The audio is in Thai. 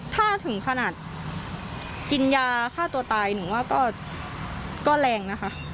ถ้าถึงขนาดกินยาฆ่าตัวตายหนูว่าก็แรงนะคะ